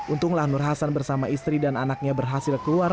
untunglah nur hasan bersama istri dan anaknya berhasil keluar